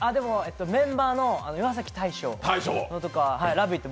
メンバーの岩崎大昇とかは「ラヴィット！」